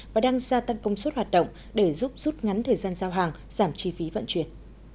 và đang gia tăng công suất hoạt động để giúp rút ngắn thời gian giao hàng giảm chi phí vận chuyển